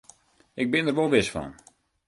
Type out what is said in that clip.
Ik bin der wol wis fan.